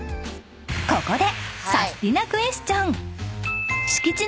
［ここで］